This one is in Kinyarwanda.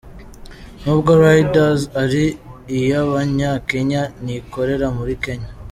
Nubwo Riders ari iy’Abanyakenya ntikorera muri Kenya.